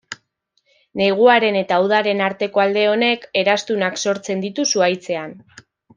Neguaren eta udaren arteko alde honek, eraztunak sortzen ditu zuhaitzean.